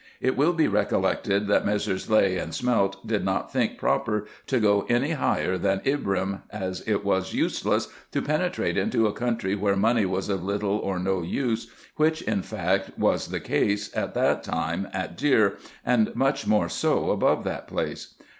It will be recollected that Messrs. Legh and Smelt did not think proper to go any higher than Ibrim, as it was useless to penetrate into a country, where money was of little or no use, wliich in fact was the case at that time at Deir, and much more so above that place.